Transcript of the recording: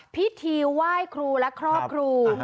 พิธีไหว้ครูและครอบครู